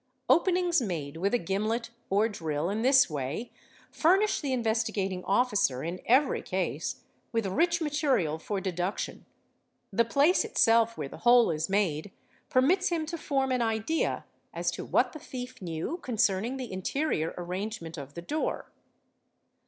Openings made with a gimlet or drill in this way furnish the Investi gating Officer in every case with rich material for deduction; the place itself where the hole is made permits him to form an idea as to what the hief knew concerning the interior arrangement of the door.